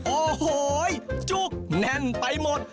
โอ้โหจุกแน่นไปหมด